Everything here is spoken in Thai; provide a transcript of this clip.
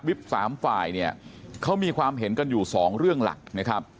สามฝ่ายเนี่ยเขามีความเห็นกันอยู่สองเรื่องหลักนะครับ